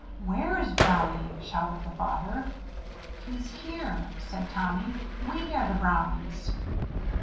"Where is Brownie?" shouted the father. "He's here," said Tommy; "we are the Brownies."